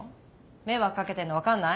迷惑かけてんの分かんない？